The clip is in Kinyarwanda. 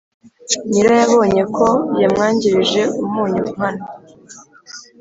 nyirayo abonye ko yamwangirije umunyu nkana,